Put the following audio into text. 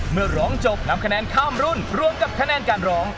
เมื่อร้องจบนำคะแนนข้ามรุ่นรวมกับคะแนนการร้อง